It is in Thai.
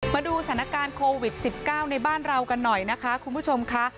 มาดูสถานการณ์โควิด๑๙ในบ้านเรากันหน่อยนะคะคุณผู้ชมค่ะ